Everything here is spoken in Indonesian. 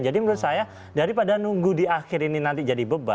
jadi menurut saya daripada nunggu di akhir ini nanti jadi beban